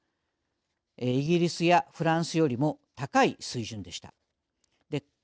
イギリスやフランスよりも高い水準でした。